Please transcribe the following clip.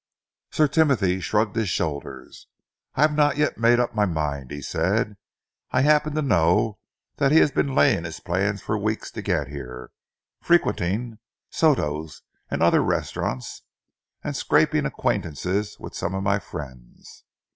Sir Timothy shrugged his shoulders. "I have not yet made up my mind," he said. "I happen to know that he has been laying his plans for weeks to get here, frequenting Soto's and other restaurants, and scraping acquaintances with some of my friends.